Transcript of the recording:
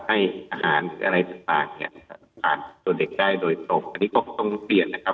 ไอ้อาหารอะไรจริงสามารถเด็กได้โดยตรงนี้ก็ถึงส่งเทียดนะครับว่า